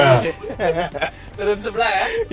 bener bener sebelah ya